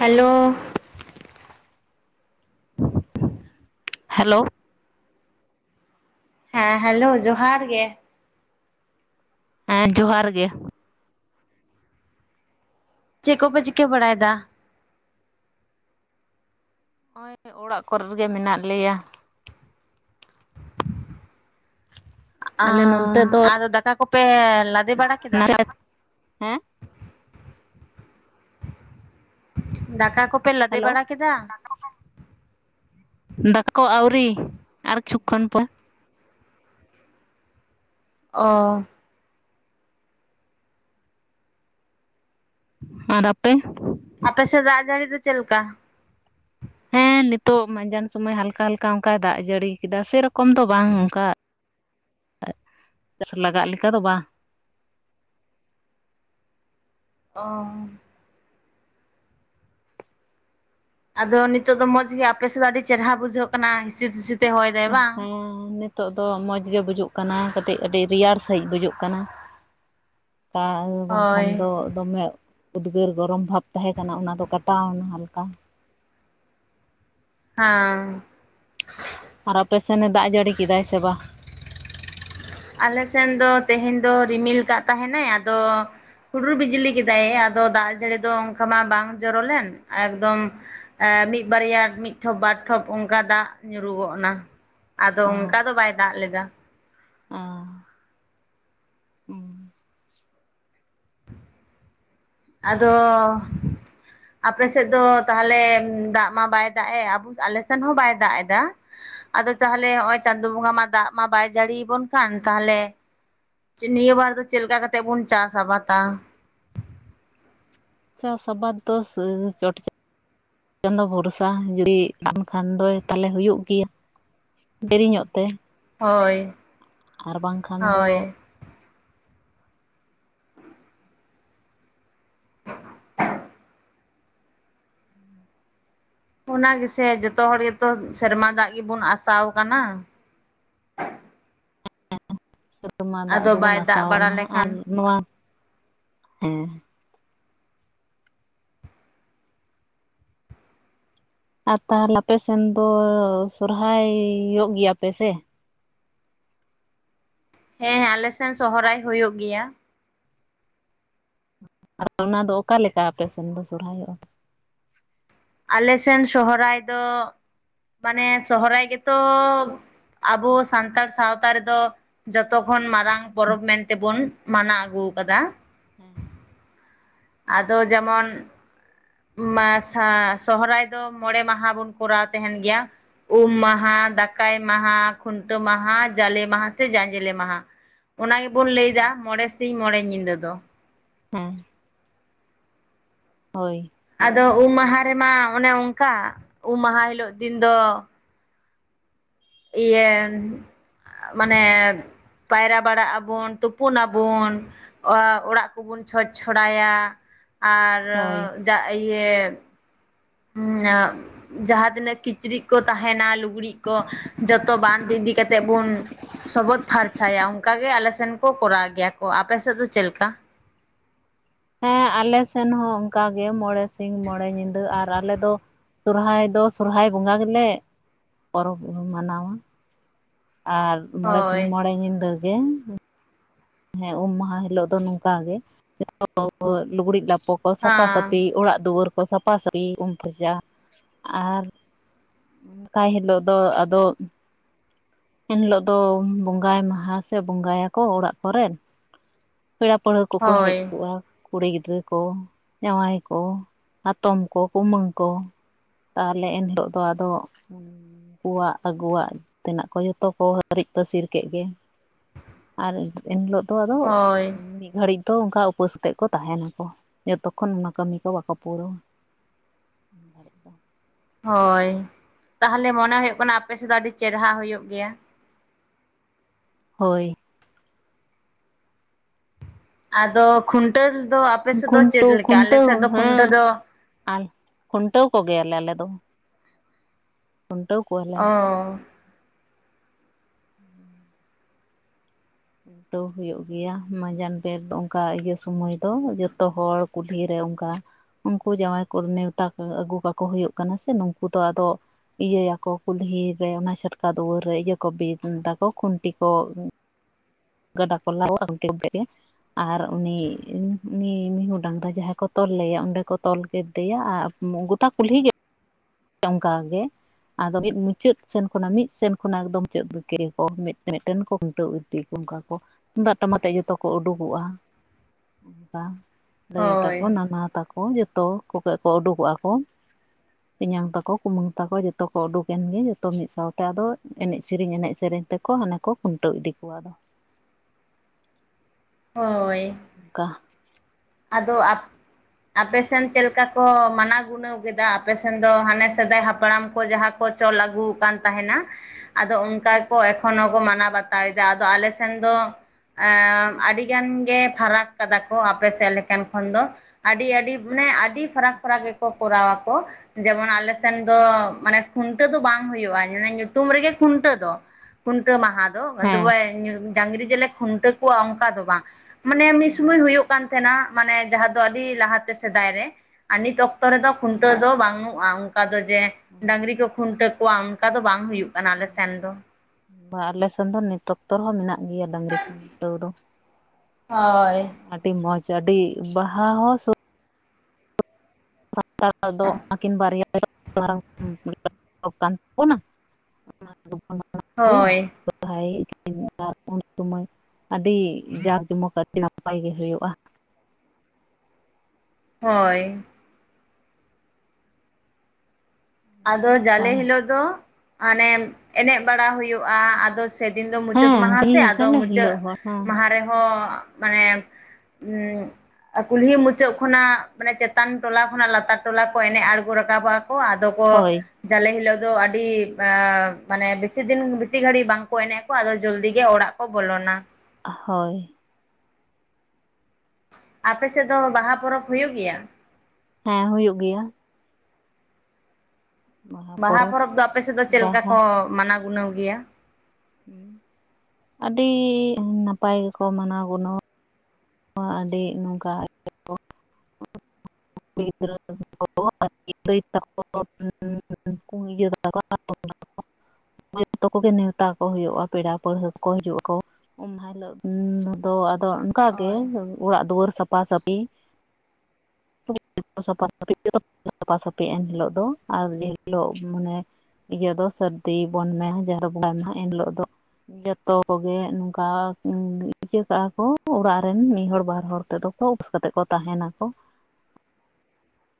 ᱦᱮᱸᱞᱳ hello ᱦᱮᱸ hello ᱡᱚᱦᱟᱨ ᱜᱮ᱾ ᱦᱮᱸ ᱡᱚᱦᱟᱨ ᱜᱮ᱾ ᱪᱮ ᱠᱚᱯᱮ ᱪᱤᱠᱟᱹ ᱵᱟᱲᱟᱭ ᱫᱟ ᱚᱲᱟᱜ ᱠᱚᱨᱮᱜᱮ ᱢᱮᱱᱟᱜ ᱞᱮᱭᱟ ᱟᱞᱮ ᱱᱚᱱᱛᱮ ᱫᱚ ᱟᱱ ᱫᱟᱠᱟ ᱠᱚᱯᱮ ᱞᱟᱫᱮ ᱵᱟᱲᱟ ᱠᱮᱫᱟ ᱦᱮᱸ ᱫᱟᱠᱟ ᱠᱚᱯᱮ ᱞᱟᱫᱮ ᱦᱮᱞᱳ ᱵᱟᱲᱟ ᱠᱮᱫᱟ ᱫᱟᱠᱟ ᱠᱚ ᱟᱹᱣᱨᱤ ᱟᱨ ᱪᱷᱩᱠ ᱠᱷᱚᱱ ᱯᱮ ᱚ ᱟᱨ ᱟᱯᱮ ᱟᱯᱮᱥᱮᱫ ᱫᱟᱜ ᱡᱟᱹᱲᱤ ᱫᱚ ᱪᱮᱫ ᱞᱮᱠᱟ ᱦᱮᱸ ᱱᱤᱛᱚᱜ ᱢᱟᱸᱡᱟᱱ ᱥᱚᱢᱚᱭ ᱦᱟᱞᱠᱟ ᱦᱟᱞᱠᱟ ᱚᱱᱠᱟᱭ ᱫᱟᱜ ᱡᱟᱹᱲᱤ ᱠᱮᱫᱟ ᱥᱮᱨᱚᱠᱚᱢ ᱫᱚ ᱵᱟᱝ ᱚᱱᱠᱟ [unintelligible] ᱞᱟᱜᱟᱜ ᱞᱮᱠᱟ ᱫᱚ ᱵᱟ ᱚ ᱟᱫᱚ ᱱᱤᱛᱚᱜ ᱫᱚ ᱢᱚᱸᱡᱽ ᱜᱮ ᱟᱯᱮ ᱥᱮᱫᱟᱜ ᱫᱚ ᱟᱹᱰᱤ ᱪᱮᱨᱦᱟ ᱵᱩᱡᱷᱟᱹᱜ ᱠᱟᱱᱟ ᱦᱤᱥᱤᱫ ᱦᱤᱥᱤᱫ ᱫᱮ ᱦᱚᱭ ᱫᱟᱭ ᱵᱟᱝ ᱦᱮᱸ ᱱᱤᱛᱚᱜ ᱫᱚ ᱢᱚᱡᱽ ᱜᱮ ᱵᱩᱡᱩᱜ ᱠᱟᱱᱟ ᱠᱟᱹᱴᱤᱡ ᱟᱹᱰᱤ ᱨᱮᱭᱟᱲ ᱥᱟᱦᱤᱡ ᱵᱩᱡᱩᱜ ᱠᱟᱱᱟ [unintelligible] ᱵᱟᱝᱠᱷᱟᱱ ᱦᱳᱭ ᱫᱚ ᱫᱚᱢᱮ ᱩᱫᱽᱜᱟᱹᱨ ᱜᱚᱨᱚᱢ ᱵᱷᱟᱵ ᱛᱟᱦᱮᱸ ᱠᱟᱱᱟ ᱚᱱᱟ ᱫᱚ ᱠᱟᱴᱟᱣᱱᱟ ᱦᱟᱞᱠᱟ ᱦᱮᱸ ᱟᱨ ᱟᱯᱮ ᱥᱮᱱᱮ ᱫᱟᱜ ᱡᱟᱹᱲᱤ ᱠᱮᱫᱟᱭ ᱥᱮ ᱵᱟᱝ ᱟᱞᱮ ᱥᱮᱱ ᱫᱚ ᱛᱮᱦᱮᱧ ᱫᱚ ᱨᱤᱢᱤᱞ ᱠᱟᱜ ᱛᱟᱦᱮᱱᱟᱭ ᱟᱫᱚ ᱦᱩᱰᱩᱨ ᱵᱤᱡᱽᱞᱤ ᱠᱮᱫᱟᱭ ᱟᱫᱚ ᱫᱟᱜ ᱡᱟᱹᱲᱤ ᱫᱚ ᱚᱱᱠᱟ ᱢᱟ ᱵᱟᱝ ᱡᱚᱨᱚᱮᱱ ᱮᱠᱫᱚᱢ ᱢᱤᱫ ᱵᱟᱨᱭᱟ ᱢᱤᱫ ᱴᱷᱚᱯ ᱵᱟᱨ ᱴᱷᱚᱯ ᱚᱱᱠᱟ ᱫᱟᱜ ᱧᱩᱨᱩ ᱜᱚᱜᱱᱟ ᱟᱫᱚ ᱚ ᱚᱱᱠᱟ ᱫᱚ ᱵᱟᱭ ᱫᱟᱜ ᱞᱮᱫᱟ ᱚ [unintelligible] ᱩᱸ ᱟᱫᱚ ᱟᱯᱮᱥᱮᱫ ᱫᱚ ᱛᱟᱦᱚᱞᱮ ᱫᱟᱜ ᱢᱟ ᱵᱟᱭ ᱫᱟᱜ ᱮ ᱟ ᱟᱞᱮᱥᱮᱫ ᱦᱚᱸ ᱵᱟᱭ ᱫᱟᱜ ᱮᱫᱟ ᱟᱫᱚ ᱛᱟᱦᱞᱮ ᱦᱚᱜ ᱚᱭ ᱪᱟᱸᱫᱚ ᱵᱚᱸᱜᱟ ᱢᱟ ᱫᱟᱜ ᱢᱟ ᱵᱟᱭ ᱡᱟᱹᱲᱤᱭᱟᱵᱚᱱ ᱠᱟᱱ ᱛᱟᱦᱚᱞᱮ ᱱᱤᱭᱟᱹ ᱵᱟᱨ ᱫᱚ ᱪᱮᱫ ᱞᱮᱠᱟ ᱠᱟᱛᱮᱜ ᱵᱚᱱ ᱪᱟᱥ ᱟᱵᱟᱫᱟ ᱪᱟᱥ ᱟᱵᱟᱫᱽ ᱫᱚ [unintelligible] ᱪᱟᱸᱫᱚ ᱵᱷᱚᱨᱥᱟ ᱡᱩᱫᱤ ᱮᱢ ᱠᱷᱟᱱ ᱫᱚ ᱛᱟᱦᱚᱞᱮ ᱦᱩᱭᱩᱜ ᱜᱮᱭᱟ ᱫᱮᱨᱤᱧᱚᱜ ᱛᱮ ᱦᱳᱭ ᱟᱨ ᱵᱟᱝᱠᱷᱟᱱ ᱫᱚ ᱦᱳᱭ ᱚ ᱜᱮᱥᱮ ᱡᱚᱛᱚ ᱦᱚᱲ ᱜᱮᱛᱚ ᱥᱮᱨᱢᱟ ᱫᱟᱜ ᱜᱮᱵᱚᱱ ᱟᱥᱟᱣ ᱟᱠᱟᱱᱟ ᱥᱮᱨᱢᱟ ᱫᱟᱜ ᱟᱫᱚ ᱜᱮᱵᱚᱱ ᱵᱟᱭ ᱫᱟᱜ ᱵᱟᱲᱟ ᱟᱥᱟᱣᱱᱟ ᱟᱨ ᱞᱮᱠᱷᱟᱱ ᱱᱚᱣᱟ ᱦᱮᱸ ᱟᱨ ᱛᱟᱦᱚᱞᱮ ᱟᱯᱮ ᱥᱮᱱ ᱫᱚ ᱥᱚᱨᱚᱨᱟ ᱭᱚᱜ ᱜᱮᱭᱟ ᱯᱮ ᱥᱮ ᱦᱮᱸ ᱟᱞᱮ ᱥᱮᱱ ᱥᱚᱦᱚᱨᱟᱭ ᱦᱩᱭᱩᱜ ᱜᱮᱭᱟ ᱟᱫᱚ ᱚᱱᱟ ᱫᱚ ᱚᱠᱟᱞᱮᱠᱟ ᱟᱯᱮ ᱥᱮᱱ ᱫᱚ ᱥᱚᱦᱚᱨᱟᱭᱚᱜᱼᱟ ᱟᱞᱮ ᱥᱮᱱ ᱥᱚᱦᱨᱟᱭ ᱫᱚ ᱢᱟᱱᱮ ᱥᱚᱦᱨᱟᱭ ᱜᱮᱛᱚ ᱟᱵᱚ ᱥᱟᱱᱛᱟᱲ ᱥᱟᱶᱛᱟ ᱨᱮᱫᱚ ᱡᱚᱛᱚ ᱠᱷᱚᱱᱟᱝ ᱢᱟᱨᱟᱝ ᱯᱚᱨᱚᱵᱽ ᱢᱮᱱᱛᱮ ᱵᱚᱱ ᱢᱟᱱᱟᱣ ᱟᱹᱜᱩ ᱟᱠᱟᱫᱟ ᱦᱮᱸ ᱟᱫᱚ ᱡᱮᱢᱚᱱ ᱥᱚᱦᱚᱨᱟᱭ ᱫᱚ ᱢᱚᱬᱮ ᱢᱟᱦᱟ ᱵᱚᱱ ᱠᱚᱨᱟᱣ ᱛᱟᱦᱮᱱ ᱜᱮᱭᱟ ᱩᱢ ᱢᱟᱦᱟ ᱫᱟᱠᱟᱭ ᱢᱟᱦᱟ ᱠᱷᱩᱱᱴᱟᱹᱣ ᱢᱟᱦᱟ ᱡᱟᱞᱮ ᱢᱟᱦᱟ ᱥᱮ ᱡᱟᱸᱡᱮᱞᱮ ᱢᱟᱦᱟ ᱚᱱᱟ ᱜᱮᱵᱚᱱ ᱦᱮᱸ ᱞᱟᱹᱭᱫᱟ ᱢᱚᱬᱮ ᱥᱤᱧ ᱢᱚᱬᱮ ᱧᱤᱫᱟᱹ ᱫᱚ ᱦᱚᱸ ᱦᱳᱭ ᱟᱫᱚ ᱩᱢ ᱢᱟᱦᱟ ᱨᱮᱢᱟ ᱚᱱᱮ ᱚᱱᱠᱟ ᱩᱢ ᱢᱟᱦᱟ ᱦᱤᱞᱳᱜ ᱫᱤᱱ ᱫᱚ ᱤᱭᱟᱹ ᱢᱟᱱᱮ ᱯᱟᱭᱨᱟ ᱵᱟᱲᱟᱜ ᱟᱵᱚᱱ ᱛᱩᱯᱩᱱ ᱟᱵᱚᱱ ᱚᱲᱟᱜ ᱠᱚᱵᱚᱱ ᱪᱷᱚᱸᱪ ᱪᱷᱚᱲᱟᱭᱟ ᱟᱨ ᱦᱳᱭ ᱡᱟ ᱤᱭᱟᱹ [unintelligible] ᱡᱟᱦᱟᱸ ᱛᱤᱱᱟᱹᱜ ᱠᱤᱪᱨᱤᱪ ᱠᱚ ᱛᱟᱦᱮᱱᱟ ᱞᱩᱜᱽᱲᱤᱡ ᱠᱚ ᱡᱚᱛᱚ ᱵᱟᱸᱫ ᱤᱫᱤ ᱠᱟᱛᱮᱫ ᱵᱚᱱ ᱥᱚᱵᱚᱫ ᱯᱷᱟᱨᱪᱟᱭᱟ ᱚᱱᱠᱟᱟᱜ ᱜᱮ ᱟᱞᱮ ᱥᱮᱱ ᱠᱚ ᱠᱚᱨᱟᱣ ᱜᱮᱭᱟ ᱠᱚ ᱟᱯᱮᱥᱮᱫ ᱫᱚ ᱪᱮᱫ ᱞᱮᱠᱟ ᱦᱮᱸ ᱟᱞᱮ ᱥᱮᱱ ᱦᱚᱸ ᱚᱱᱠᱟᱜᱮ ᱢᱚᱬᱮ ᱥᱤᱧ ᱢᱚᱬᱮ ᱧᱤᱫᱟᱹ ᱟᱨ ᱟᱞᱮ ᱫᱚ ᱥᱚᱨᱦᱟᱭ ᱫᱚ ᱥᱚᱨᱦᱟᱭ ᱵᱚᱸᱜᱟ ᱜᱮᱞᱮ ᱯᱚᱨᱚᱵᱽ ᱢᱟᱱᱟᱣᱟ ᱟᱨ ᱢᱚᱬᱮ ᱥᱤᱧ ᱦᱳᱭ ᱢᱚᱬᱮ ᱧᱤᱫᱟᱹ ᱜᱮ ᱦᱮᱸ ᱩᱢ ᱢᱟᱦᱟ ᱦᱤᱞᱳᱜ ᱫᱚ ᱱᱚᱝᱠᱟ ᱜᱮ [unintelligible] ᱞᱩᱜᱽᱲᱤᱡ ᱞᱟᱯᱚ ᱠᱚ ᱥᱟᱯᱷᱟ ᱥᱟᱯᱷᱤ ᱦᱮᱸ ᱚᱲᱟᱜ ᱫᱩᱣᱟᱹᱨ ᱠᱚ ᱥᱟᱯᱷ [unintelligible] ᱟᱨ ᱚᱱᱠᱟ ᱦᱤᱞᱚᱜ ᱫᱚ ᱟᱫᱚ ᱮᱱ ᱦᱤᱞᱚᱜ ᱫᱚ ᱵᱚᱸᱜᱟᱭ ᱢᱟᱦᱟ ᱥᱮ ᱵᱚᱸᱜᱟᱭᱟ ᱠᱚ ᱚᱲᱟᱜ ᱠᱚᱨᱮ ᱯᱮᱲᱟ ᱯᱟᱹᱲᱦᱟᱹ ᱳᱜᱠᱩᱠᱚ ᱦᱳᱭ ᱦᱮᱡ ᱠᱚᱜᱼᱟ ᱠᱩᱲᱤ ᱜᱤᱫᱽᱨᱟᱹ ᱠᱚ ᱡᱟᱶᱟᱭ ᱠᱚ ᱦᱟᱛᱚᱢ ᱠᱚ ᱠᱩᱢᱟᱹᱝ ᱠᱚ ᱛᱟᱦᱞᱮ ᱮᱱᱦᱤᱞᱳᱜ ᱫᱚ ᱟᱫᱚ ᱩᱱᱠᱩᱣᱟᱜ ᱟᱹᱩᱣᱟᱜ ᱛᱮᱱᱟᱜ ᱠᱚ ᱡᱚᱛ ᱡᱚᱛᱚ ᱠᱚ ᱦᱟᱹᱨᱤᱡ ᱯᱟᱹᱥᱤᱨ ᱠᱮᱫ ᱜᱮ ᱟᱨ ᱮᱱᱦᱤᱞᱚᱜ ᱫᱚ ᱟᱫᱚ ᱦᱳᱭ ᱢᱤᱫ ᱜᱷᱟᱹᱲᱤᱡ ᱛᱚ ᱚᱱᱠᱟ ᱩᱯᱟᱹᱥ ᱟᱛᱮᱫ ᱠᱚ ᱛᱟᱦᱮᱱᱟᱠᱚ ᱡᱚᱛᱚ ᱠᱷᱚᱱᱚᱱ ᱚᱱᱟ ᱠᱟᱹᱢᱤ ᱠᱚ ᱵᱟᱠᱚ ᱯᱩᱨᱟᱹᱣᱟ [inaudible] ᱦᱳᱭ ᱛᱟᱦᱞᱮ ᱢᱚᱱᱮ ᱦᱩᱭᱩᱜ ᱠᱟᱱᱟ ᱟᱯᱮ ᱥᱮᱫ ᱫᱚ ᱟᱹᱰᱤ ᱪᱮᱨᱦᱟ ᱦᱩᱭᱩᱜ ᱜᱮᱭᱟ? ᱦᱳᱭ ᱟᱫᱚ ᱠᱷᱩᱱᱴᱟᱹᱣ ᱫᱚ ᱟᱯᱮ ᱥᱮᱫ ᱫᱚ ᱠᱷᱩᱱᱴᱟᱹ ᱪᱮᱫ ᱞᱮᱠᱟ ᱟᱞᱮ ᱠᱷᱩᱱᱴᱟᱹᱣ ᱥᱮᱫ ᱫᱚ ᱦᱮᱸ ᱠᱷᱩᱱᱴᱟᱹᱣ ᱫᱚ ᱟᱨ ᱠᱷᱩᱱᱴᱟᱹᱣ ᱠᱚᱜᱮᱭᱟᱞᱮ ᱟᱞᱮ ᱫᱚ ᱠᱷᱩᱱᱴᱟᱹᱣ ᱠᱚᱣᱟᱞᱮ ᱚ ᱴᱟᱹᱣ ᱦᱩᱭᱩᱜ ᱜᱮᱭᱟ ᱢᱟᱡᱟᱱ ᱵᱮᱨ ᱫᱚ ᱚᱱᱠᱟ ᱤᱭᱟᱹ ᱥᱚᱢᱚᱭ ᱫᱚ ᱡᱚᱛᱚ ᱦᱚᱲ ᱠᱩᱞᱦᱤ ᱨᱮ ᱚᱱᱠᱟ ᱩᱱᱠᱩ ᱡᱟᱶᱟᱭ ᱠᱚ ᱱᱮᱣᱛᱟ ᱟᱹᱜᱩ ᱠᱟᱠᱚ ᱦᱩᱭᱩᱜ ᱠᱟᱱᱟ ᱥᱮ ᱱᱩᱝᱠᱩ ᱫᱚ ᱟᱫᱚ ᱤᱭᱟᱹᱭᱟᱠᱚ ᱠᱩᱞᱦᱤᱨᱮ ᱚᱱᱟ ᱪᱷᱟᱴᱠᱟ ᱫᱩᱣᱟᱹᱨ ᱨᱮ ᱤᱭᱟᱹ ᱠᱚ ᱵᱤᱫᱟᱠᱚ ᱠᱷᱩᱱᱴᱤ ᱠᱚ ᱜᱟᱰᱟ ᱠᱚ ᱞᱟᱜᱣᱟ ᱠᱷᱩᱱᱴᱤ ᱠᱚ ᱟᱹᱜᱩ ᱠᱮᱫ ᱜᱮ᱾ ᱟᱨ ᱩᱱᱤ ᱩᱱᱤ ᱢᱤᱦᱩ ᱰᱟᱝᱨᱟ ᱡᱟᱦᱟᱸᱭ ᱠᱚ ᱛᱚᱞ ᱞᱮᱭᱟ ᱚᱸᱰᱮ ᱠᱚ ᱛᱚᱞ ᱠᱮᱫᱮᱭᱟ ᱟᱨ ᱜᱚᱴᱟ ᱠᱩᱞᱦᱤ ᱜᱮ ᱚᱝᱠᱟ ᱜᱮ ᱟᱫᱚ ᱢᱤᱫ ᱢᱩᱪᱟᱹᱫ ᱥᱮᱱ ᱠᱷᱚᱱᱟᱜ ᱢᱤᱫ ᱥᱮᱱ ᱠᱷᱚᱱᱟᱜ ᱮᱫᱚᱢ [inaudible] ᱢᱤᱫ ᱴᱮᱱ ᱢᱤᱫ ᱴᱮᱱ ᱠᱚ ᱠᱷᱩᱱᱴᱟᱹᱣ ᱫᱤᱭᱮ ᱠᱚ ᱚᱝᱠᱟ ᱠᱚ ᱛᱩᱢᱫᱟᱜ ᱴᱟᱢᱟᱠ ᱛᱮ ᱡᱚᱛᱚ ᱠᱚ ᱩᱰᱩᱠᱚᱜᱼᱟ ᱚᱝᱠᱟ ᱫᱟᱹᱭ ᱦᱳᱭ ᱛᱟᱠᱚ ᱱᱟᱱᱟ ᱛᱟᱠᱚ ᱡᱚᱛᱚ ᱠᱚ ᱜᱮ ᱠᱚ ᱩᱰᱩᱠᱚᱜᱼᱟ ᱠᱚ᱾ ᱛᱮᱧᱟᱝ ᱛᱟᱠᱚ ᱠᱩᱢᱟᱹᱝ ᱛᱟᱠᱚ ᱡᱚᱛᱚ ᱠᱚ ᱩᱰᱩᱠᱮᱱ ᱜᱮ ᱡᱚᱛᱚ ᱢᱤᱫ ᱥᱟᱶᱛᱮ ᱟᱫᱚ ᱮᱱᱮᱡ ᱥᱮᱨᱮᱧ ᱮᱱᱮᱡ ᱥᱮᱨᱮᱧ ᱛᱮᱠᱚ ᱦᱟᱱᱮ ᱠᱚ ᱠᱷᱩᱱᱴᱟᱹᱣ ᱤᱫᱤ ᱠᱚᱣᱟ ᱟᱫᱚ। ᱦᱳᱭ ᱦᱳᱭ ᱚᱝᱠᱟ ᱟᱫᱚ ᱟ ᱟᱯᱮ ᱥᱮᱱ ᱪᱮᱫ ᱞᱮᱠᱟ ᱠᱚ ᱢᱟᱱᱟᱣ ᱜᱩᱱᱟᱹᱣ ᱠᱮᱫᱟ, ᱟᱯᱮ ᱥᱮᱱ ᱫᱚ ᱦᱟᱱᱮ ᱥᱮᱫᱟᱭ ᱦᱟᱯᱲᱟᱢ ᱠᱚ ᱡᱟᱦᱟᱸ ᱠᱚ ᱪᱚᱞ ᱟᱹᱜᱩᱣᱟᱠᱟᱱ ᱛᱟᱦᱮᱱᱟ ᱟᱫᱚ ᱚᱝᱠᱟ ᱜᱮᱠᱚ ᱮᱠᱷᱚᱱ ᱦᱚᱸᱠᱚ ᱢᱟᱱᱟᱣ ᱵᱟᱛᱟᱣᱮᱫᱟ ᱟᱫᱚ ᱟᱞᱮ ᱥᱮᱱ ᱫᱚ ᱮᱸ ᱟᱹᱰᱤ ᱜᱟᱱ ᱜᱮ ᱯᱷᱟᱨᱟᱠ ᱠᱟᱫᱟ ᱠᱚ ᱟᱯᱮ ᱥᱮᱫ ᱞᱮᱠᱟᱱ ᱠᱷᱚᱱ ᱫᱚ᱾ ᱟᱹᱰᱤ ᱟᱹᱰᱤ ᱢᱟᱱᱮ ᱟᱹᱰᱤ ᱯᱷᱟᱨᱟᱠ ᱯᱷᱟᱨᱟᱠ ᱜᱮ ᱠᱚ ᱠᱚᱨᱟᱣ ᱟᱠᱚ। ᱡᱮᱢᱚᱱ ᱟᱞᱮ ᱥᱮᱱ ᱫᱚ, ᱢᱟᱱᱮ ᱠᱷᱩᱱᱴᱟᱹᱣ ᱫᱚ ᱵᱟᱝ ᱦᱩᱭᱩᱜᱼᱟ ᱚᱱᱮ ᱧᱩᱛᱩᱢ ᱨᱮᱜᱮ ᱠᱷᱩᱱᱴᱟᱹᱣ ᱫᱚ᱾ ᱠᱩᱩᱱᱴᱟ. ᱢᱟᱦᱟ ᱟᱫᱚ, ᱟᱫᱚ ᱦᱮᱸ ᱛᱚᱵᱮ ᱰᱟᱝᱨᱤ ᱡᱮᱞᱮ ᱠᱷᱩᱱᱴᱟᱹᱣ ᱠᱚᱣᱟ ᱚᱱᱠᱟ ᱫᱚ ᱵᱟᱝ ᱢᱟᱱᱮ ᱢᱤᱫ ᱦᱩᱸ ᱥᱚᱢᱚᱭ ᱦᱩᱭᱩᱜ ᱠᱟᱱ ᱛᱟᱦᱮᱱᱟ ᱢᱟᱱᱮ ᱡᱟᱦᱟᱸ ᱫᱚ ᱟᱹᱰᱤ ᱞᱟᱦᱟᱛᱮ ᱥᱮᱫᱟᱭ ᱨᱮ ᱟᱨ ᱱᱤᱛ ᱚᱠᱛᱚ ᱨᱮᱫᱚ ᱠᱷᱩᱱᱴᱟᱹᱣ ᱫᱚ ᱵᱟᱹᱱᱩᱜᱼᱟ ᱚᱱᱠᱟ ᱫᱚ ᱡᱮ ᱦᱮᱸ ᱰᱟᱹᱝᱨᱤ ᱠᱚ ᱠᱷᱩᱱᱴᱟᱹᱣ ᱠᱚᱣᱟ ᱚᱝᱠᱟ ᱫᱚ ᱵᱟᱝ ᱦᱩᱭᱩᱜ ᱠᱟᱱᱟ ᱟᱞᱮ ᱥᱮᱱ ᱫᱚ᱾ ᱵᱟ ᱟᱞᱮ ᱥᱮᱱ ᱫᱚ ᱱᱤᱛ ᱚᱠᱛᱚ ᱨᱮᱦᱚᱸ ᱢᱮᱱᱟᱜ ᱜᱮᱭᱟ ᱰᱟᱝᱨᱤ ᱠᱷᱩᱱᱴᱟᱹᱣ ᱫᱚ। ᱦᱳᱭ ᱟᱹᱰᱤ ᱢᱚᱸᱡᱽ ᱟᱹᱰᱤ ᱵᱟᱦᱟ ᱦᱚᱸ, ᱥᱚ [inaudible] [unintelligible] ᱦᱳᱭ ᱩᱱ ᱥᱩᱢᱚᱭ ᱟᱹᱰᱤ ᱡᱟᱠ ᱡᱚᱢᱚᱠ ᱟᱹᱰᱤ ᱱᱟᱯᱟᱭ ᱜᱮ ᱦᱩᱭᱩᱜᱼᱟ। ᱦᱳᱭ, ᱟᱫᱚ ᱡᱟᱞᱮ ᱱᱟᱯᱟᱭ ᱦᱤᱞᱳᱜ ᱫᱚ ᱢᱟᱱᱮ ᱮᱱᱮᱡ ᱵᱟᱲᱟ ᱦᱩᱭᱩᱜᱼᱟ ᱟᱫᱚ ᱯᱮ ᱫᱤᱱ ᱫᱚ ᱢᱩᱪᱟᱹᱫ ᱦᱮᱸ ᱢᱟᱦᱟ ᱥᱮ ᱡᱤᱞ ᱟᱫᱚ ᱡᱟᱞᱮ ᱢᱩᱪᱟᱹᱫ ᱦᱤᱞᱳᱜ ᱦᱚᱸ ᱦᱮᱸ ᱢᱟᱦᱟ ᱨᱮᱦᱚᱸ ᱢᱟᱱᱮ ᱩᱸᱻ ᱠᱩᱞᱦᱤ ᱢᱩᱪᱟᱹᱫ ᱠᱷᱚᱱᱟᱜ ᱢᱟᱱᱮ ᱪᱮᱛᱟᱱ ᱴᱚᱞᱟ ᱠᱷᱚᱱᱟᱜ ᱞᱟᱛᱟᱨ ᱴᱚᱞᱟ ᱠᱚ ᱮᱱᱮᱡ ᱟᱬᱜᱚ ᱨᱟᱠᱟᱵᱚᱜ ᱟᱠᱚ ᱟᱫᱚ ᱠᱚ ᱦᱳᱭ ᱡᱟᱞᱮ ᱦᱤᱞᱳᱜ ᱫᱚ ᱟᱹᱰᱤ ᱮᱸᱻ ᱢᱟᱱᱮ ᱵᱮᱥᱤ ᱫᱤᱱ ᱵᱮᱥᱤ ᱜᱷᱟᱹᱲᱤᱡ ᱵᱟᱝᱠᱚ ᱮᱱᱮᱡ ᱟᱠᱚ ᱟᱫᱚ ᱡᱚᱞᱫᱤ ᱜᱮ ᱚᱲᱟᱜ ᱠᱚ ᱵᱚᱞᱚᱱᱟ᱾ ᱦᱳᱭ ᱟᱯᱮ ᱥᱮᱫ ᱫᱚ ᱵᱟᱦᱟ ᱯᱚᱨᱚᱵᱽ ᱦᱩᱭᱩᱜ ᱜᱮᱭᱟ? ᱦᱮᱸ ᱦᱩᱭᱩᱜ ᱜᱮᱭᱟ᱾ ᱵᱟᱦᱟ ᱯᱚᱨᱚᱵᱽ ᱫᱚ ᱟᱯᱮᱥᱮᱫ ᱫᱚ ᱪᱮᱫ ᱞᱮᱠᱟ ᱵᱟᱦᱟ ᱠᱚ ᱢᱟᱱᱟᱣ ᱜᱩᱱᱟᱹᱣ ᱜᱮᱭᱟ? ᱟᱹᱰᱤ ᱱᱟᱯᱟᱭ ᱜᱮᱠᱚ ᱢᱟᱱᱟᱣ ᱜᱩᱱᱟᱹᱣᱟ᱾ ᱟᱹᱰᱤ ᱱᱚᱝ ᱠᱟ [unintelligible] [unintelligible] [unintelligible] ᱡᱚᱛᱚ ᱠᱚᱜᱮ ᱱᱮᱣᱛᱟ ᱠᱚ ᱦᱩᱭᱩᱜᱼᱟ ᱯᱮᱲᱟ ᱯᱟᱹᱲᱦᱟᱹ ᱠᱚ ᱦᱤᱡᱩᱜ ᱟᱠᱚ᱾ ᱩᱢ ᱢᱟᱦᱟ ᱦᱤᱞᱳᱜ ᱫᱚ ᱟᱫᱚ ᱚᱱᱠᱟᱜᱮ ᱦᱳᱭ ᱚᱲᱟᱜ ᱫᱩᱣᱟᱹᱨ ᱥᱟᱯᱷᱟᱥᱟᱹᱯᱷᱤ ᱥᱟᱯᱷᱟ ᱥᱟᱯᱷᱤᱡ ᱛᱮᱫᱚ ᱥᱟᱯᱷᱟ ᱥᱟᱟᱯᱷᱤ ᱮᱱ ᱦᱤᱞᱳᱜ ᱫᱚ ᱟᱨ ᱡᱮ ᱦᱤᱞᱳᱜ ᱢᱟᱱᱮ ᱤᱭᱟᱹ ᱫᱚ ᱥᱟᱹᱨᱫᱤ ᱵᱚᱱ ᱢᱮᱱ [unintelligible] ᱮᱱ ᱦᱤᱞᱳᱜ ᱫᱚ ᱡᱚᱛᱚ ᱠᱚᱜᱮ ᱱᱚᱝᱠᱟ ᱤᱠᱟᱹ ᱠᱟᱜᱼᱟ ᱠᱚ ᱚᱲᱟᱜ ᱚ ᱨᱮᱱ ᱢᱤᱫ ᱦᱚᱲᱚᱲ ᱵᱟᱨ ᱦᱚᱲ ᱛᱮᱫᱚ ᱠᱚ ᱩᱯ ᱠᱟᱛᱮᱫ ᱠᱚ ᱛᱟᱦᱮᱱᱟ ᱠᱚ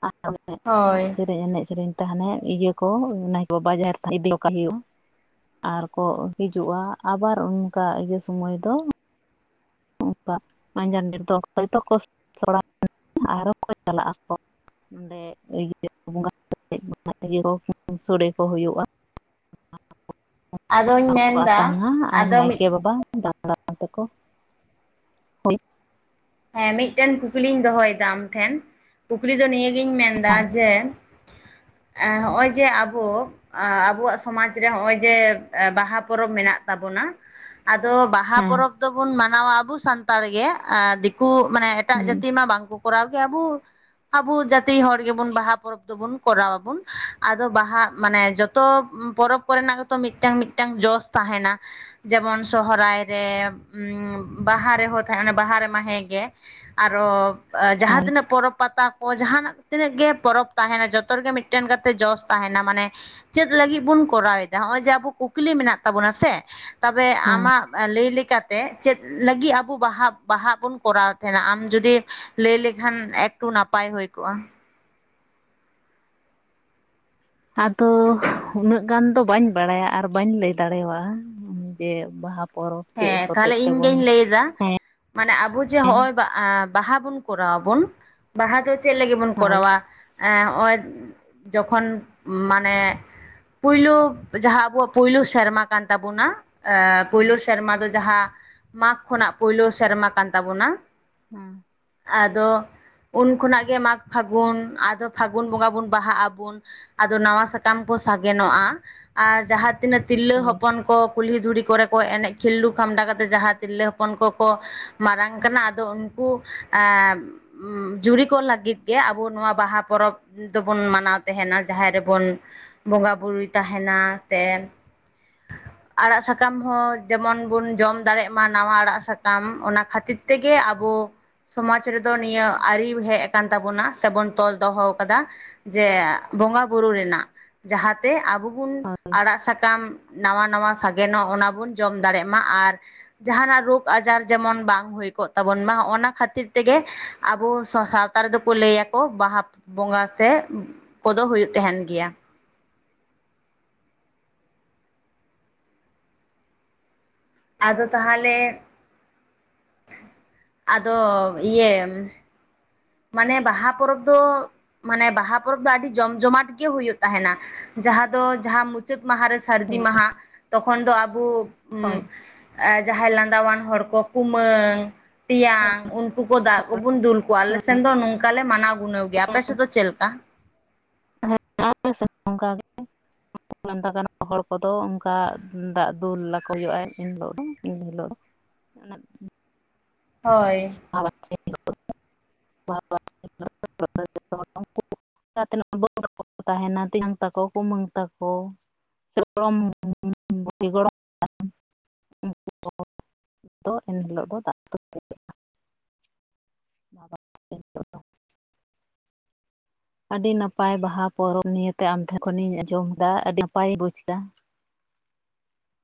ᱟᱨ ᱮᱱᱮᱡ ᱦᱳᱭ ᱥᱮᱨᱮᱧ ᱮᱱᱮᱡ ᱥᱮᱨᱮᱧ ᱛᱱᱮ ᱦᱟᱱᱮ ᱤᱭᱟᱹ ᱠᱚ ᱱᱟᱹᱭᱠᱮ ᱵᱟᱵᱟ ᱡᱟᱦᱮᱨ ᱛ ᱤᱫᱤ ᱠ ᱦᱩᱭᱩᱜᱼᱟ ᱟᱨ ᱠᱚ ᱦᱤᱡᱩᱜᱼᱟ ᱟᱵᱟᱨ ᱚᱱᱠᱟ ᱤᱭᱟᱹ ᱥᱩᱢᱟᱹᱭ ᱫᱚ ᱚᱱᱠᱟ ᱢᱟᱡᱟᱱᱰᱤ [unintelligible] ᱪᱟᱞᱟᱜ ᱟᱠᱚ ᱚᱸᱰᱮ ᱤᱭᱟᱹ ᱵᱚᱸᱜᱟ ᱥᱚᱲᱮ ᱠᱚ ᱦᱩᱭᱩᱜᱼᱟ ᱟᱫᱚᱧ [unintelligible] ᱠᱚ ᱢᱮᱱᱫᱟ ᱟᱛᱟᱝᱟ ᱟᱨ ᱟᱫᱚ ᱢᱤᱫ ᱱᱟᱭᱠᱮ ᱵᱟᱵᱟ ᱫᱟᱬ ᱛᱮᱠᱚ ᱦᱳᱭ᱾ ᱦᱮᱸ ᱢᱤᱫᱴᱮᱱ ᱠᱩᱠᱞᱤᱧ ᱫᱚᱦᱚᱭᱮᱫᱟ ᱟᱢᱴᱷᱮᱱ᱾ ᱠᱩᱠᱞᱤ ᱫᱚ ᱱᱤᱭᱟᱹᱜᱤᱧ ᱢᱮᱱᱫᱟ ᱡᱮ ᱦᱚᱸᱜ-ᱚᱸᱭ ᱡᱮ ᱟᱵᱚ ᱟᱵᱚᱣᱟᱜ ᱥᱚᱢᱟᱡ ᱨᱮ ᱱᱚᱜᱼᱚᱭ ᱡᱮ ᱵᱟᱦᱟ ᱯᱚᱨᱚᱵᱽ ᱢᱮᱱᱟᱜ ᱛᱟᱵᱚᱱᱟ ᱟᱫᱚ ᱵᱟᱦᱟ ᱦᱮᱸ ᱯᱚᱨᱚᱵᱽ ᱫᱚᱵᱩᱱ ᱢᱟᱱᱟᱣᱟ ᱟᱵᱩ ᱥᱟᱱᱛᱟᱲ ᱜᱮ ᱟᱨ ᱫᱤᱠᱩ ᱢᱟᱱᱮ ᱮᱴᱟᱜ ᱦᱩᱸ ᱡᱟᱹᱛᱤ ᱢᱟ ᱵᱟᱝ ᱠᱚ ᱠᱚᱨᱟᱣ ᱜᱮ ᱟᱵᱚ ᱟᱵᱚ ᱡᱟᱛᱤ ᱦᱚᱲ ᱜᱮᱵᱚᱱ ᱵᱟᱦᱟ ᱯᱚᱨᱚᱵᱽ ᱫᱚᱵᱩᱱ ᱠᱚᱨᱟᱣᱟᱵᱩᱱ ᱟᱫᱚ ᱵᱟᱦᱟ ᱢᱟᱱᱮ ᱡᱚᱛ ᱛᱚ ᱯᱚᱨᱚᱵᱽ ᱠᱚᱨᱮᱱᱟᱜ ᱜᱮᱛᱚ ᱢᱤᱫᱴᱟᱝ ᱢᱤᱫᱴᱟᱝ ᱡᱚᱥ ᱛᱟᱦᱮᱱᱟ ᱡᱮᱢᱚᱱ ᱥᱚᱦᱨᱟᱭ ᱨᱮ ᱵᱟᱦᱟ ᱨᱮᱦᱚᱸ ᱛᱟᱦᱮᱸ ᱵᱟᱦᱟ ᱨᱮ ᱢᱟ ᱦᱮᱸ ᱜᱮ᱾ ᱜᱮ ᱟᱨᱚ ᱡᱟᱦᱟᱸ ᱦᱮᱸ ᱛᱤᱱᱟᱹᱜ ᱯᱚᱨᱚᱵᱽ ᱯᱟᱛᱟ ᱠᱚ ᱡᱟᱦᱟᱱᱟᱜ ᱛᱤᱱᱟᱹᱜ ᱜᱮ ᱯᱚᱨᱚᱵᱽ ᱛᱟᱦᱮᱱᱟ ᱡᱚᱛᱚ ᱨᱮᱜᱮ ᱢᱤᱫ ᱴᱮᱱ ᱠᱟᱛᱮ ᱡᱚᱥ ᱛᱟᱦᱮᱱᱟ ᱢᱟᱱᱮ ᱪᱮᱫ ᱞᱟᱹᱜᱤᱫ ᱵᱚᱱ ᱠᱚᱨᱟᱣᱮᱫᱟ? ᱱᱚᱜᱼᱚᱭ ᱡᱮ ᱟᱵᱚ ᱠᱩᱠᱞᱤ ᱢᱮᱱᱟᱜ ᱛᱟᱵᱚᱱᱟ ᱥᱮ ᱛᱚᱵᱮ ᱦᱮᱸ ᱟᱢᱟᱜ ᱞᱟᱹᱭ ᱞᱮᱠᱟᱛᱮ ᱪᱮᱫ ᱞᱟᱹᱜᱤᱫ ᱟᱵᱚ ᱵᱟᱦᱟ ᱵᱟᱦᱟ ᱵᱚᱱ ᱠᱚᱨᱟᱣ ᱛᱟᱦᱮᱱᱟ ᱟᱢ ᱡᱩᱫᱤ ᱞᱟᱹᱭ ᱞᱮᱠᱷᱟᱱ ᱮᱠᱴᱩ ᱱᱟᱯᱟᱭ ᱦᱩᱭ ᱠᱚᱜᱼᱟ ᱟᱫᱚ ᱩᱱᱟᱹᱜ ᱜᱟᱱ ᱫᱚ ᱵᱟᱹᱧ ᱵᱟᱲᱟᱭᱟ ᱟᱨ ᱵᱟᱹᱧ ᱞᱟᱹᱭ ᱫᱟᱲᱮᱭᱟᱜᱼᱟ ᱡᱮ ᱵᱟᱦᱟ ᱯᱚᱨᱚᱵᱽ ᱪᱮᱫ ᱦᱮᱸ ᱦᱚᱛᱮᱡ ᱛᱟᱦᱚᱞᱮ ᱤᱧ ᱛᱮᱵᱚᱱ ᱜᱤᱧ ᱞᱟᱹᱭ ᱮᱫᱟ ᱢᱟᱱᱮ ᱟᱵᱚ ᱡᱮ ᱦᱚᱜᱼᱚᱭ ᱵᱟ ᱵᱟᱦᱟ ᱵᱚᱱ ᱠᱚᱨᱟᱣ ᱟᱵᱚᱱ ᱵᱟᱦᱟ ᱫᱚ ᱪᱮᱫ ᱞᱟᱹᱜᱤᱫ ᱵᱚᱱ ᱦᱳᱭ ᱠᱚᱨᱟᱣᱟ ᱱᱚᱜᱼᱚᱭ ᱡᱚᱠᱷᱚᱱ ᱢᱟᱱᱮ ᱯᱩᱭᱞᱩ ᱡᱟᱦᱟᱸ ᱟᱵᱚᱣᱟᱜ ᱯᱩᱭᱞᱩ ᱥᱮᱨᱢᱟ ᱠᱟᱱ ᱛᱟᱵᱚᱱᱟ ᱮ ᱯᱳᱭᱞᱳ ᱦᱳᱭ ᱥᱮᱨᱢᱟ ᱫᱚ ᱡᱟᱦᱟᱸ ᱢᱟᱜᱽ ᱠᱷᱚᱱᱟᱜ ᱯᱳᱭᱞᱳ ᱥᱮᱨᱢᱟ ᱠᱟᱱ ᱛᱟᱵᱳᱱᱟ ᱦᱮᱸ ᱟᱫᱚ ᱩᱱ ᱠᱷᱚᱱᱟᱜ ᱜᱮ ᱢᱟᱜᱽ ᱯᱷᱟᱹᱜᱩᱱ ᱟᱫᱚ ᱯᱷᱟᱹᱜᱩᱱ ᱵᱚᱸᱜᱟ ᱵᱩᱱ ᱵᱟᱦᱟᱜ ᱟᱵᱩᱱ ᱟᱫᱚ ᱱᱟᱣᱟ ᱥᱟᱠᱟᱢ ᱠᱚ ᱥᱟᱜᱮᱱᱚᱜᱼᱟ ᱟᱨ ᱡᱟᱦᱟᱸ ᱛᱤᱱᱟᱹᱜ ᱛᱤᱨᱞᱟᱹ ᱦᱳᱭ ᱦᱚᱯᱚᱱ ᱠᱚ ᱠᱩᱞᱦᱤ ᱫᱷᱩᱲᱤ ᱠᱚᱨᱮ ᱠᱚ ᱮᱱᱮᱡ ᱠᱷᱤᱞᱰᱩ ᱠᱷᱢᱰᱟᱣ ᱠᱟᱛᱮᱜ ᱡᱟᱦᱟᱸ ᱛᱤᱨᱞᱟᱹ ᱦᱚᱯᱚᱱ ᱠᱚᱠᱚ ᱢᱟᱨᱟᱝ ᱠᱟᱱᱟ ᱟᱫᱚ ᱩᱱᱠᱩ ᱡᱩᱨᱤ ᱠᱚ ᱞᱟᱹᱜᱤᱫ ᱜᱮ ᱟᱵᱚ ᱱᱚᱣᱟ ᱵᱟᱦᱟ ᱯᱚᱨᱚᱵᱽ ᱫᱚᱵᱚᱱ ᱢᱟᱱᱟᱣ ᱛᱟᱦᱮᱱᱟ ᱡᱟᱦᱮᱨ ᱨᱮᱵᱚᱱ ᱵᱚᱸᱜᱟᱼᱵᱩᱨᱩᱭ ᱛᱟᱦᱮᱱᱟ ᱥᱮ ᱟᱲᱟᱜ ᱥᱟᱠᱟᱢ ᱦᱚᱸ ᱡᱮᱢᱚᱱ ᱵᱚᱱ ᱡᱚᱢ ᱫᱟᱲᱮᱜ ᱢᱟ ᱱᱟᱣᱟ ᱟᱲᱟᱜ ᱥᱟᱠᱟᱢ ᱚᱱᱟ ᱠᱷᱟᱹᱛᱤᱨ ᱛᱮᱜᱮ ᱟᱵᱚ ᱥᱚᱢᱟᱡᱽ ᱨᱮᱫᱚ ᱱᱤᱭᱟᱹ ᱟᱹᱨᱤ ᱦᱮᱡ ᱟᱠᱟᱱ ᱛᱟᱵᱚᱱᱟ ᱥᱮᱵᱚᱱ ᱛᱚᱞ ᱫᱚᱦᱚ ᱟᱠᱟᱫᱟ ᱡᱮ ᱵᱚᱸᱜᱟ ᱵᱩᱨᱩ ᱨᱮᱱᱟᱜ ᱡᱟᱦᱟᱸᱛᱮ ᱟᱵᱚ ᱵᱚᱱ ᱟᱲᱟᱜ ᱥᱟᱠᱟᱢ ᱱᱟᱣᱟ ᱱᱟᱣᱟ ᱥᱟᱜᱮᱱᱚᱜ ᱚᱱᱟ ᱵᱚᱱ ᱡᱚᱢ ᱫᱟᱲᱮᱜ ᱢᱟ ᱟᱨ ᱡᱟᱦᱟᱱᱟᱜ ᱨᱳᱜᱽ ᱟᱡᱟᱨ ᱡᱮᱢᱚᱱ ᱵᱟᱝ ᱦᱩᱭ ᱠᱚᱜ ᱛᱟᱵᱚᱱ ᱢᱟ ᱚᱱᱟ ᱠᱷᱟᱹᱛᱤᱨ ᱛᱮᱜᱮ ᱟᱵᱚ ᱥᱟᱶᱛᱟ ᱮᱛᱟᱨ ᱨᱮᱫᱚ ᱠᱚ ᱞᱟᱹᱭᱟᱠᱚ ᱵᱟᱦᱟ ᱵᱚᱸᱜᱟ ᱥᱮ ᱠᱚᱫᱚ ᱦᱩᱭᱩᱜ ᱛᱟᱦᱮᱱ ᱜᱮᱭᱟ ᱟᱫᱚ ᱛᱟᱦᱚᱞᱮ ᱟᱫᱚ ᱤᱭᱟᱹ ᱢᱟᱱᱮ ᱵᱟᱦᱟ ᱯᱚᱨᱚᱵᱽ ᱫᱚ ᱢᱟᱱᱮ ᱵᱟᱦᱟ ᱯᱚᱨᱚᱵᱽ ᱫᱚ ᱟᱹᱰᱤ ᱡᱚᱢᱡᱚᱢᱟᱴ ᱜᱮ ᱦᱩᱭᱩᱜ ᱛᱟᱦᱮᱱᱟ ᱡᱟᱦᱟᱸ ᱫᱚ ᱡᱟᱦᱟᱸ ᱢᱩᱪᱟᱹ ᱢᱩᱪᱟᱹᱫ ᱢᱟᱦᱟ ᱨᱮ ᱥᱟᱹᱨᱫᱤ ᱢᱟᱦᱟ ᱛᱚᱠᱷᱚᱱ ᱫᱚ ᱟᱵᱚ ᱦᱳᱭ ᱡᱟᱦᱟᱸᱭ ᱞᱟᱸᱫᱟᱣᱟᱱ ᱦᱚᱲ ᱠᱚ ᱠᱩᱢᱟᱹᱝ ᱛᱮᱭᱟᱝ ᱩᱱᱠᱩ ᱠᱚ ᱫᱟᱜ ᱠᱚᱵᱚᱱ ᱫᱩᱞ ᱠᱚᱣᱟ ᱟᱞᱮᱥᱮᱱ ᱫᱚ ᱱᱚᱝᱠᱟ ᱞᱮ ᱢᱟᱱᱟᱣ ᱜᱩᱱᱟᱹᱣ ᱜᱮᱭᱟ ᱟᱯᱮ ᱥᱮᱫ ᱫᱚ ᱪᱮᱫ ᱠᱟ ᱚᱠᱟ ᱥ [unintelligible] ᱛ ᱜ ᱦᱚᱲ ᱠᱚᱫᱚ ᱚᱱᱠᱟ [unintelligible] ᱫᱟᱜ ᱫᱩᱞᱞᱟᱠᱚ ᱦᱩᱭᱩᱜᱼᱟ ᱮᱱ ᱦᱤᱞᱳᱜ ᱫᱚ ᱮᱱ ᱦᱤᱞᱳᱜ ᱫᱚ ᱚᱱᱟ ᱦᱳᱭ [unintelligible] [unintelligible] ᱛᱮ ᱵᱟᱹᱠᱚ ᱛᱟᱦᱮᱱᱟ [unintelligible] ᱛᱮᱧᱟᱝ ᱛᱟᱠᱚ ᱠᱩᱢᱟᱹᱝ ᱛᱟᱠᱚ ᱥᱮ ᱜᱚᱲᱚᱢ ᱜᱩᱤ ᱜᱚᱲᱚᱢ [unintelligible] ᱟ [unintelligible] ᱫᱚ ᱮᱱᱦᱤᱞᱳᱜ ᱫᱚ ᱫᱟᱜ [unintelligible] [inaudible] ᱟᱹᱰᱤ ᱱᱟᱯᱟᱭ ᱵᱟᱦᱟ ᱯᱚᱨᱚᱵᱽ ᱱᱤᱭᱮᱛᱮ ᱟᱢᱴᱷᱮᱱ ᱠᱷᱚᱱᱤᱧ ᱟᱸᱡᱚᱢᱮᱫᱟ ᱟᱹᱰᱤ ᱱᱟᱯᱟᱭᱤᱧ ᱵᱩᱡ ᱮᱫᱟ